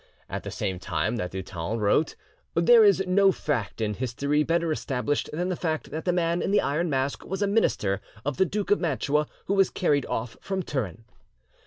At the same time that Dutens wrote, "There is no fact in history better established than the fact that the Man in the Iron Mask was a minister of the Duke of Mantua who was carried off from Turin," M.